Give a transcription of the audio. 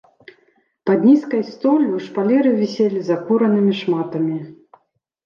Пад нізкай столлю шпалеры віселі закуранымі шматамі.